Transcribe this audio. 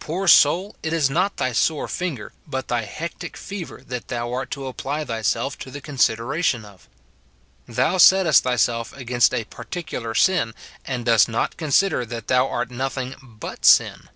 Poor soul ! it is not thy sore finger but thy hectic fever that thou art to apply thyself to the consideration of. Thou SIN IN BELIEVERS. 211 settest thyself against a particular sin, and dost not con sider that thou art nothing but sin.